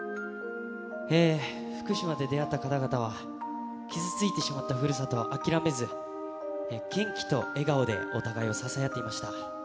福島で出会った方々は、傷ついてしまったふるさとを諦めず、元気と笑顔でお互いを支え合っていました。